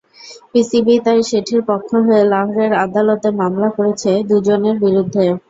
PCB তাই শেঠির পক্ষ হয়ে লাহোরের আদালতে মামলা করেছে দুজনের বিরুদ্ধে।